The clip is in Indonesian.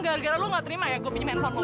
gara gara lu gak terima ya gue pinjam handphone